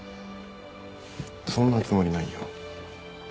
そんなつもりないよ。